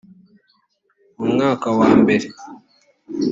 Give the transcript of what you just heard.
mu mwaka wa mbere